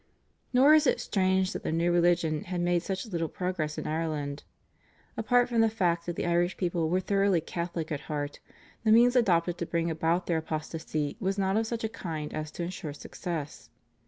" Nor is it strange that the new religion had made such little progress in Ireland. Apart from the fact that the Irish people were thoroughly Catholic at heart, the means adopted to bring about their apostasy was not of such a kind as to ensure success.